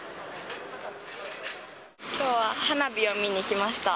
きょうは花火を見にきました。